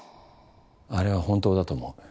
あれは本当だと思う。